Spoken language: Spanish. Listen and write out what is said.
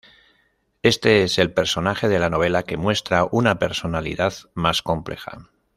Este es el personaje de la novela que muestra una personalidad más compleja.